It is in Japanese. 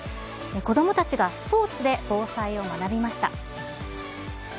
子どもたちがスポーツで防災を学びました。